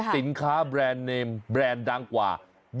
สินค้าแบรนด์เนมแบรนด์ดังกว่า